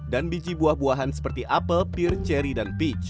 dan biji buah buahan seperti apel pir ceri dan peach